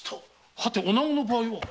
はて女子の場合は？